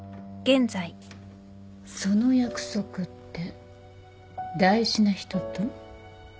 その約束って大事な人と？